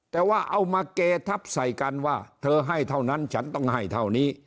แต่ว่าเอามาเกทับใส่กันว่าเธอให้เท่านั้นฉันต้องให้เท่านี้